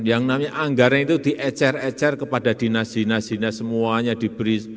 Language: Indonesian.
yang namanya anggaran itu diecer ecer kepada dina dina semuanya diberi